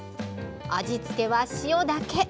味付けは塩だけ。